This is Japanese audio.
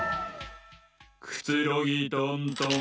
くつろぎトントン。